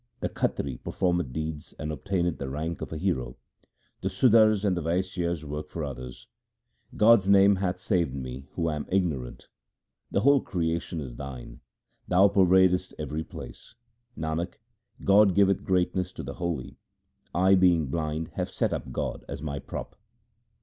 The Khatri performeth deeds and obtaineth the rank of a hero ; The Sudars and the Vaisyas work for others. God's name hath saved me who am ignorant. The whole creation is Thine, Thou pervadest every place. Nanak, God giveth greatness to the holy. I being blind have set up God as my prop.